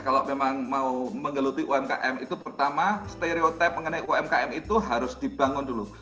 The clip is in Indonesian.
kalau memang mau menggeluti umkm itu pertama stereotype mengenai umkm itu harus dibangun dulu